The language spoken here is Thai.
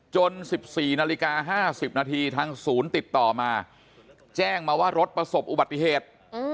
๑๔นาฬิกา๕๐นาทีทางศูนย์ติดต่อมาแจ้งมาว่ารถประสบอุบัติเหตุ